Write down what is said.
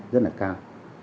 rất là cao